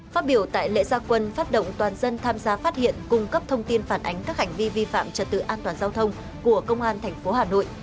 phát biểu tại lễ gia quân phát động toàn dân tham gia phát hiện cung cấp thông tin phản ánh các hành vi vi phạm trật tự an toàn giao thông của công an tp hà nội